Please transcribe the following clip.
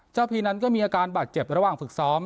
พีนั้นก็มีอาการบาดเจ็บระหว่างฝึกซ้อม